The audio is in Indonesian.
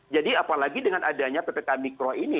jadi apalagi dengan adanya ppk mikro ini